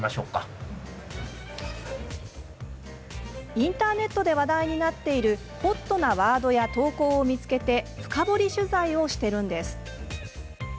インターネットで話題になっているホットなワードや投稿を見つけて深掘り取材をしているんです。